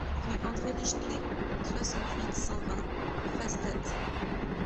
Rue André Lichtlé, soixante-huit, cent vingt Pfastatt